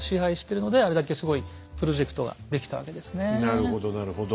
なるほどなるほど。